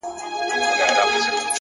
وخت د بېتوجهۍ تاوان نه بښي.